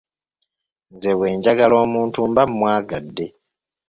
Nze bwe njagala omuntu mba mwagadde.